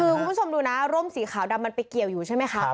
คือคุณผู้ชมดูนะร่มสีขาวดำมันไปเกี่ยวอยู่ใช่ไหมคะ